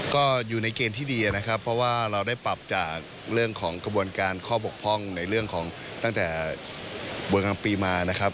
ก็อยู่ในเกณฑ์ที่ดีนะครับเพราะว่าเราได้ปรับจากเรื่องของกระบวนการข้อบกพร่องในเรื่องของตั้งแต่บนกลางปีมานะครับ